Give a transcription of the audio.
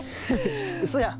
うそやん。